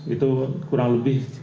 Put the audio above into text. itu kurang lebih